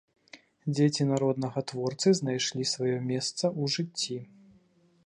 Дзеці народнага творцы знайшлі сваё месца ў жыцці.